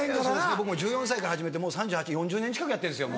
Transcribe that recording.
僕も１４歳から始めてもう３８４０年近くやってるんですよ。